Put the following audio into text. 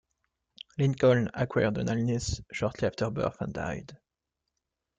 Lincoln acquired an illness shortly after birth and died.